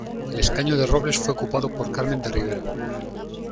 El escaño de Robles fue ocupado por Carmen de Rivera.